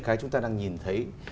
cái chúng ta đang nhìn thấy